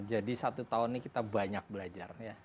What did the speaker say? jadi satu tahun ini kita banyak belajar